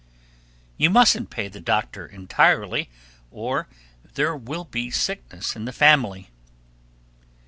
You mustn't pay the doctor entirely, or there will be sickness in the family.